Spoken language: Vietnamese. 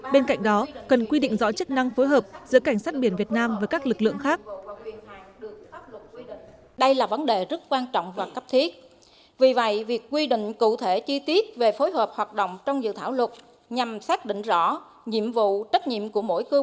bên cạnh đó cần quy định rõ chức năng phối hợp giữa cảnh sát biển việt nam với các lực lượng khác